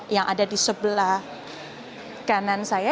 yang ada di sebelah kanan saya